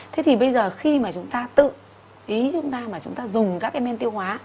thế thì bây giờ khi mà chúng ta tự ý chúng ta mà chúng ta dùng các cái men tiêu hóa